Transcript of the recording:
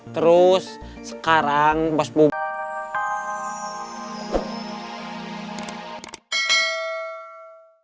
terus sekarang bos bubun